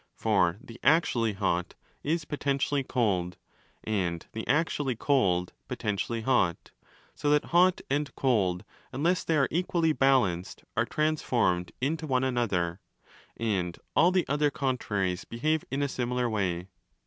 For the actually hot is potentially cold and the actually cold potentially hot; so that hot and cold, unless they are equally balanced, are transformed into one another (and all the other contraries behave in a similar a5 way).